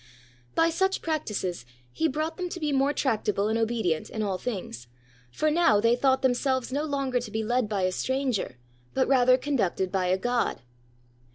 By such practices, he brought them to be more tract able and obedient in all things; for now they thought themselves no longer to be led by a stranger, but rather conducted by a god.